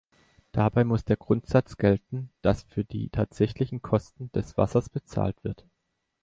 Dabei muss der Grundsatz gelten, dass für die tatsächlichen Kosten des Wassers bezahlt wird.